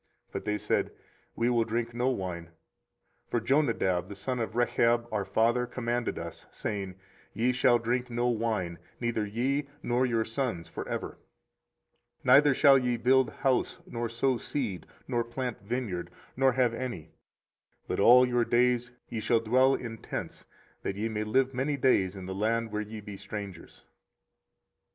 24:035:006 But they said, We will drink no wine: for Jonadab the son of Rechab our father commanded us, saying, Ye shall drink no wine, neither ye, nor your sons for ever: 24:035:007 Neither shall ye build house, nor sow seed, nor plant vineyard, nor have any: but all your days ye shall dwell in tents; that ye may live many days in the land where ye be strangers.